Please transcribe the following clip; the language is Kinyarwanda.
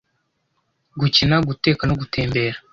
gukina, guteka no gutembera,